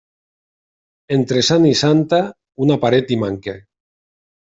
Entre sant i santa, una paret hi manca.